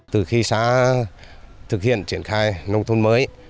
từ khi xã thực hiện triển khai nông thôn mới